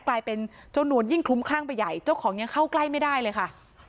กลายเป็นเจ้านวลยิ่งคลุ้มคลั่งไปใหญ่เจ้าของยังเข้าใกล้ไม่ได้เลยค่ะ